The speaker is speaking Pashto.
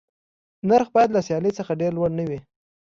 نرخ باید له سیالۍ څخه ډېر لوړ نه وي.